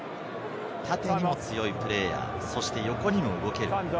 縦にも強いプレーヤー、横にも動ける。